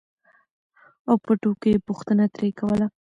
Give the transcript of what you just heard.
او په ټوکو یې پوښتنه ترې کوله